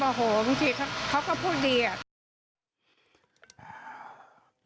บางทีเขาก็พูดดีอ่ะ